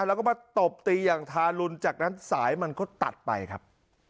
แล้วก็มาตบตีอย่างทารุณจากนั้นสายมันก็ตัดไปครับ